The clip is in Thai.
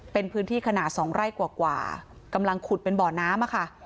เป็นพื้นที่ขนาด๒ไร่กว่ากำลังขุดเป็นบ่อน้ำอะค่ะ